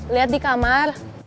liat di kamar